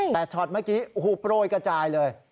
แต่ช็อตเมื่อกี้โอ้โหโปรยกระจายเลย